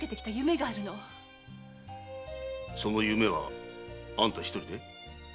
その夢はあんたひとりで？